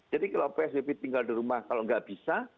jadi kalau psbb tinggal di rumah kalau nggak bisa